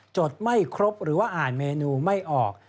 จดไม่ครบหรือว่าอ่านเมนูไม่ออก